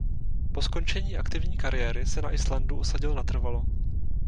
Po skončení aktivní kariéry se na Islandu usadil natrvalo.